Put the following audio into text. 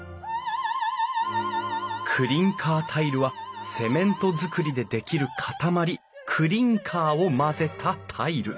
クリンカータイルはセメントづくりでできる塊クリンカーを混ぜたタイル。